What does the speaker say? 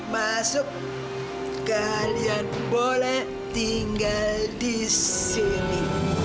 masuk kalian boleh tinggal di sini